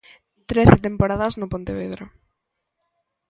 Trece temporadas no Pontevedra.